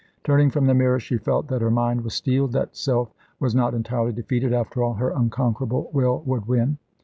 Turning from the mirror, she felt that her mind was steeled, that Self was not entirely defeated. After all, her unconquerable will would win.